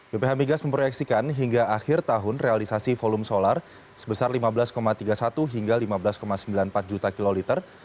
bph migas memproyeksikan hingga akhir tahun realisasi volume solar sebesar lima belas tiga puluh satu hingga lima belas sembilan puluh empat juta kiloliter